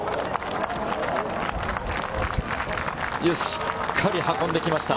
しっかり運んできました。